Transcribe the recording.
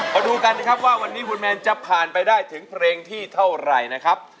มาดูกันนะครับว่าวันนี้คุณแมนจะผ่านไปได้ถึงเพลงที่เท่าไหร่นะครับ